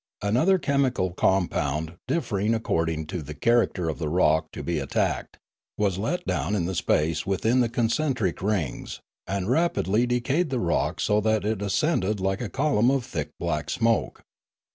Another chemical compound, differing according to the character of the rock to be attacked, was let down in the space within the concentric rings, and rapidly decayed the rock so that it ascended like a column of thick black smoke.